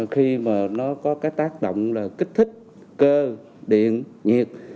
khi mà nó có cái tác động là kích thích cơ điện nhiệt